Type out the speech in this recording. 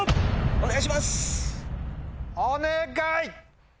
お願い！